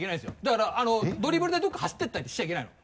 だからドリブルでどこか走ってったりしちゃいけないの。